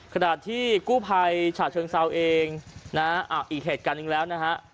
ขณะที่กู้ภัยชาติเชิงเศร้าเองนะอีกเหตุการณ์อีกแล้วนะฮะ